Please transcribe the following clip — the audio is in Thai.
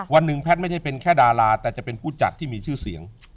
วันหนึ่งแพทย์ไม่ได้เป็นแค่ดาราแต่จะเป็นผู้จัดที่มีชื่อเสียง